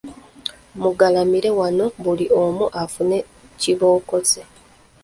Mugalamire wano buli omu afune kibooko ze.